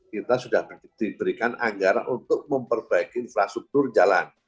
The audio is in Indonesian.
kita sudah diberikan anggaran untuk memperbaiki infrastruktur jalan